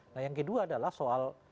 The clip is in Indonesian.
nah yang kedua adalah soal